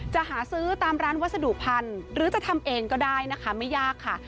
จะหาซื้อตามร้านวัสดุพันธุ์หรือจะทำเองก็ได้นะคะไม่ยากค่ะ